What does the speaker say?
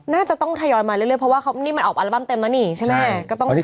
น่าจะต้องทยอยมาเรื่อยเพราะว่าเขานี่มันออกอัลบั้มเต็มแล้วนี่ใช่ไหม